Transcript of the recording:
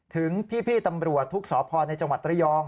ถึงพี่ตำรวจทุกสพในจังหวัดระยอง